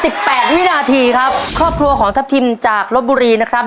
แปดวินาทีครับครอบครัวของทัพทิมจากลบบุรีนะครับ